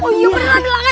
oh iya beneran ada layangan